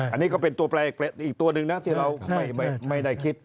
อันนี้ก็เป็นตัวแปลอีกตัวหนึ่งนะที่เราไม่ได้คิด